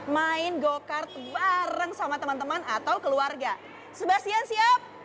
main go kart bareng sama teman teman atau keluarga sebastian siap